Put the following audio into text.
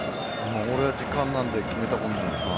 俺は時間なんで決めたことない。